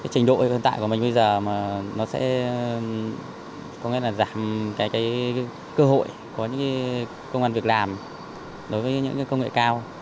trình đội hiện tại của mình bây giờ nó sẽ giảm cơ hội của công an việc làm đối với những công nghệ cao